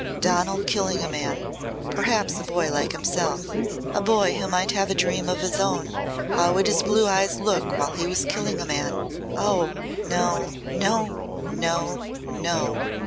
Donal killing a man perhaps a boy like himself a boy who might have a dream of his own! How would his blue eyes look while he was killing a man? Oh! No! No! No!